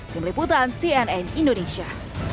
tim liputan cnn indonesia